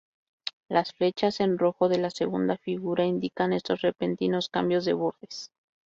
Las flechas en rojo de la segunda figura indican estos repentinos cambios de bordes.